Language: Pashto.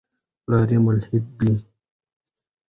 پلار یې ملحد دی.